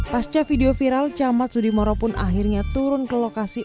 pasca video viral camat sudimoro pun akhirnya turun ke lokasi